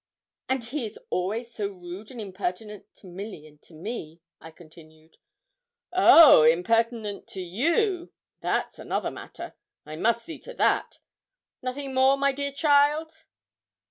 'And he is always so rude and impertinent to Milly and to me,' I continued. 'Oh! impertinent to you that's another matter. I must see to that. Nothing more, my dear child?'